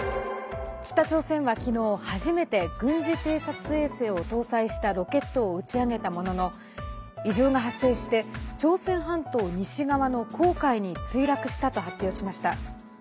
北朝鮮は昨日、初めて軍事偵察衛星を搭載したロケットを打ち上げたものの異常が発生して朝鮮半島西側の黄海に墜落したと発表しました。